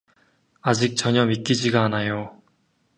아직 전혀 믿기지가 않아요.